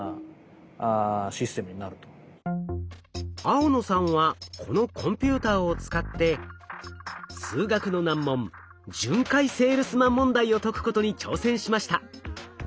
青野さんはこのコンピューターを使って数学の難問巡回セールスマン問題を解くことに挑戦しました。